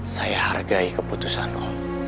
saya hargai keputusanmu